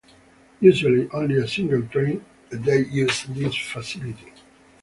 Usually only a single train a day used this facility.